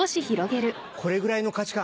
「これぐらい」の価値観